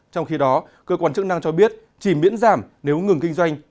trong khi đó cơ quan chức năng cho biết chỉ miễn giảm nếu ngừng kinh doanh